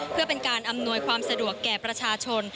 เพื่อเป็นการอำนวยความสะดวกแก่ประชาชน